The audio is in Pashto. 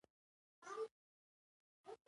او له خپل زوی سره وغږیږي.